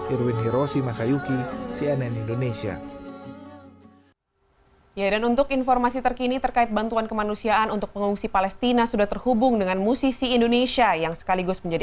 irwin hiroshi masayuki cnn indonesia